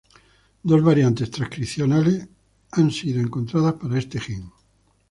Dos variantes transcripcionales han sido encontradas para este gen.